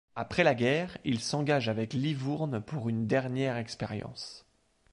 Après la guerre, il s'engage avec Livourne pour une dernière expérience.